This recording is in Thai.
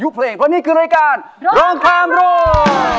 เพราะนี่คือรายการร้องคำรุ่น